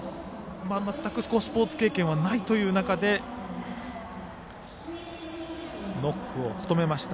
全くスポーツ経験はないという中でノックを務めました。